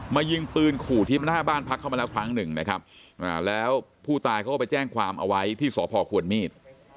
ยิงปืนขู่ที่หน้าบ้านพักเข้ามาแล้วครั้งหนึ่งนะครับแล้วผู้ตายเขาก็ไปแจ้งความเอาไว้ที่สพควรมีด